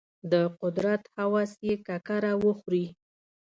د قدرت هوس یې ککره وخوري.